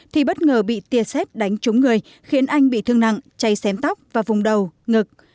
thì bất ngờ bị tia xét đánh trúng người khiến anh bị thương nặng chay xém tóc và vùng đầu ngực